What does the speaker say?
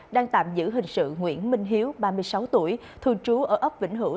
đang tạm giữ hình sự nguyễn minh hiếu ba mươi sáu tuổi thường trú ở ấp vĩnh hữu